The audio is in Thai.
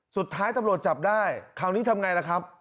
สุดท้ายตำรวจจับได้คราวนี้ทำไงล่ะครับ